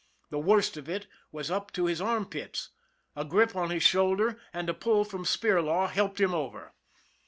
The worst of it was up to his armpits. A grip on his shoulder and a pull from THE BUILDER 149 Spirlaw helped him over.